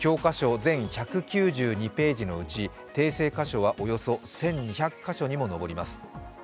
全１９２ページのうち訂正箇所はおよそ１２００か所にも上ります。